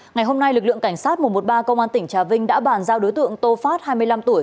ngày hôm nay lực lượng cảnh sát một trăm một mươi ba công an tỉnh trà vinh đã bàn giao đối tượng tô phát hai mươi năm tuổi